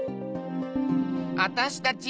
あたしたちぃ